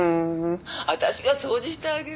私が掃除してあげるわよ。